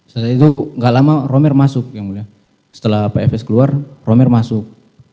setelah itu gak lama romer masuk yang mulia setelah pak efes keluar romer masuk